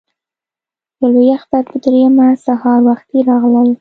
د لوی اختر په درېیمه سهار وختي راغلل.